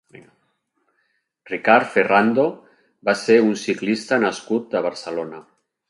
Ricard Ferrando va ser un ciclista nascut a Barcelona.